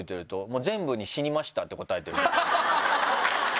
全部に「死にました」って答えてるけど。